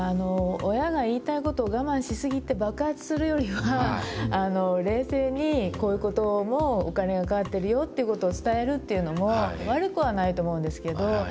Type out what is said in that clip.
親が言いたいことを我慢しすぎて爆発するよりは冷静にこういうこともお金がかかってるよっていうことを伝えるっていうのも悪くはないと思うんですけど。